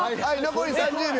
残り３０秒。